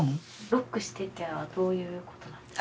「ロックして」っていうのはどういうことなんですか？